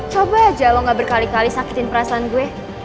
coba aja lo gak berkali kali sakitin perasaan gue